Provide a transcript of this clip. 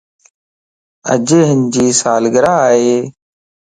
اڄ ھنجي سالگره ائي